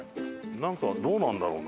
なんかどうなんだろうな？